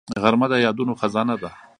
غرمه د یادونو خزانه ده